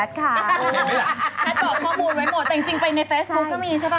แพทย์บอกข้อมูลไว้หมดแต่จริงไปในเฟซบุ๊คก็มีใช่ป่